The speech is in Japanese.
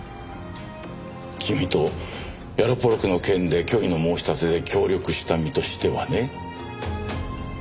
君とヤロポロクの件で虚偽の申し立てで協力した身としてはね。